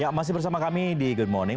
ya masih bersama kami di good morning